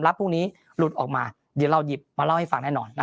พวกนี้หลุดออกมาเดี๋ยวเราหยิบมาเล่าให้ฟังแน่นอน